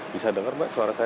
bisa dengar mbak suara saya